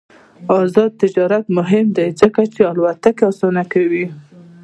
آزاد تجارت مهم دی ځکه چې الوتکې اسانوي.